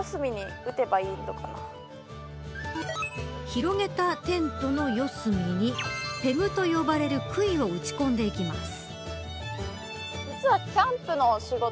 広げたテントの四隅にペグと呼ばれるくいを打ち込んでいきます。